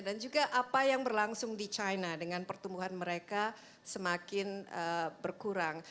dan juga apa yang berlangsung di china dengan pertumbuhan mereka semakin berkurang